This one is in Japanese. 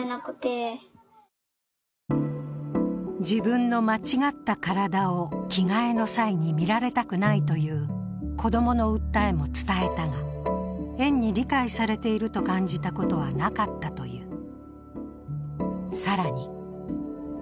自分の間違った体を着替えの際に見られたくないという子供の訴えも伝えたが、園に理解されていると感じたことはなかったという。